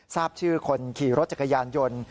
ทราบชื่อคนขี่รถจักรยานยนต์